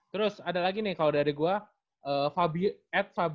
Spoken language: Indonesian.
terus ada lagi nih kalo dari gue